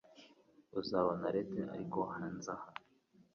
Uzabona Lethe ariko hanze aha